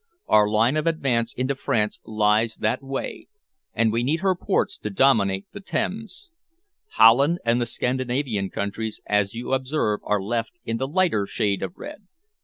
"Our line of advance into France lies that way, and we need her ports to dominate the Thames. Holland and the Scandinavian countries, as you observe are left in the lighter shade of red.